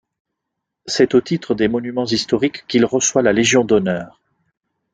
C'est au titre des monuments historiques qu'il reçoit la Légion d'honneur.